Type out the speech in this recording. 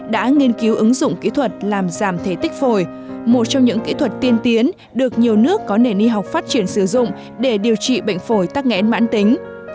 đã nghiên cứu ứng dụng kỹ thuật làm giảm thể tích phổi một trong những kỹ thuật tiên tiến được nhiều nước có nền y học phát triển sử dụng để điều trị bệnh phổi tắc nghẽn mãn tính